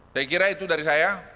saya kira itu dari saya